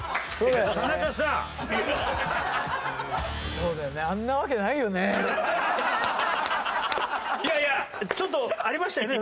そうだよねいやいやちょっとありましたよね？